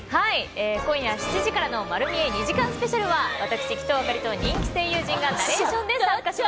今夜７時からの『まる見え！』２時間スペシャルは、私、鬼頭明里と人気声優陣がナレーションで参加。